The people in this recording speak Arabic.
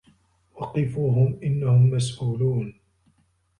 وَقِفوهُم إِنَّهُم مَسئولونَ